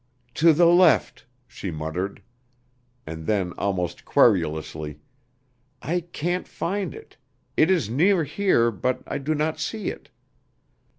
"To the left," she muttered. And then almost querulously, "I can't find it. It is near here, but I do not see it."